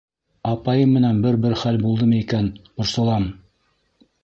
Апайым менән бер-бер хәл булдымы икән -борсолам.